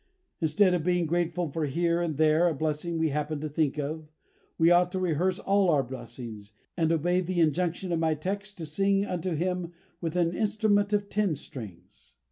Instead of being grateful for here and there a blessing we happen to think of, we ought to rehearse all our blessings, and obey the injunction of my text to sing unto Him with an instrument of ten strings."